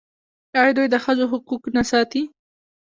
آیا دوی د ښځو حقوق نه ساتي؟